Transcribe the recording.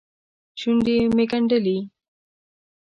شونډې مې ګنډلې.